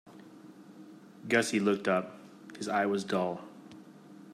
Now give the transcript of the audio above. Gussie looked up. His eye was dull.